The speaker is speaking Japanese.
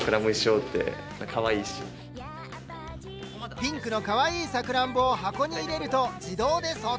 ピンクのかわいいさくらんぼを箱に入れると自動で装填。